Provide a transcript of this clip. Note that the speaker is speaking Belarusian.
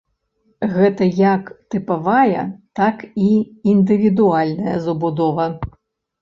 Гэта як тыпавая, так і індывідуальная забудова.